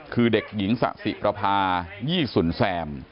คือเด็กหญิงสะสิประพายี่สุนแซม